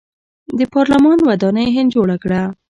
د پارلمان ودانۍ هند جوړه کړه.